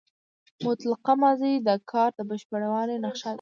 مطلقه ماضي د کار د بشپړوالي نخښه ده.